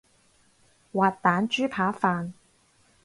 滑蛋豬扒飯